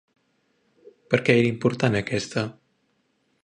Per què era important aquesta?